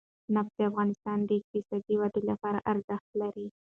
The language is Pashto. نفت د افغانستان د اقتصادي ودې لپاره ارزښت لري.